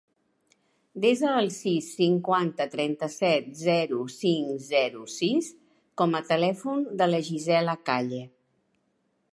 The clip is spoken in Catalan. Desa el sis, cinquanta, trenta-set, zero, cinc, zero, sis com a telèfon de la Gisela Calle.